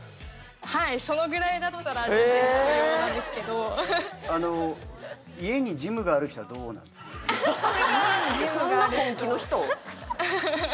はいそのぐらいだったら全然許容なんですけど家にジムがある人そんな本気の人？